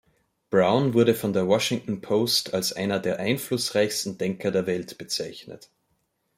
Brown wurde von der Washington Post als „einer der einflussreichsten Denker der Welt“ bezeichnet.